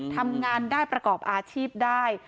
ทำงานได้ประกอบอาชีพได้